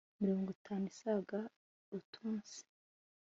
mirongwitanu isaga utunsi